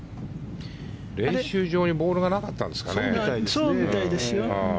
練習場にボールがなかったんですかね？